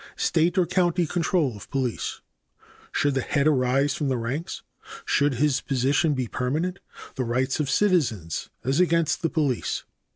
State or county control of police. Should the head arise from the ranks? Should his position be permanent? The rights of citizens as against the police.